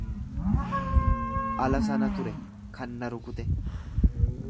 Ala sana ture kan na rukute.